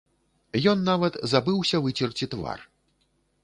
Ён нават забыўся выцерці твар.